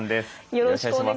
よろしくお願いします。